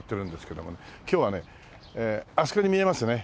今日はねあそこに見えますね